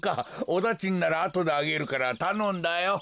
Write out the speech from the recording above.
おだちんならあとであげるからたのんだよ。